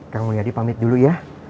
kang mulyadi pamit dulu ya